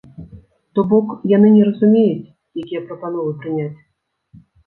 То бок, яны не разумеюць, якія прапановы прыняць.